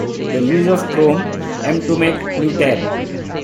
The use Of chrome, M to make new tab.